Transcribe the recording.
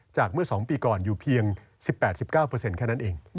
เมื่อ๒ปีก่อนอยู่เพียง๑๘๑๙แค่นั้นเอง